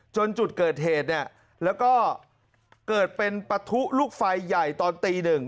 จุดเกิดเหตุเนี่ยแล้วก็เกิดเป็นปะทุลูกไฟใหญ่ตอนตีหนึ่ง